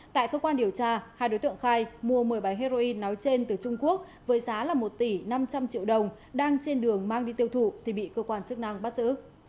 tại cơ quan điều tra hai đối tượng khai mua một mươi bánh heroin nói trên từ trung quốc với giá là một tỷ năm trăm linh triệu đồng đang trên đường mang đi tiêu thụ thì bị cơ quan chức năng bắt giữ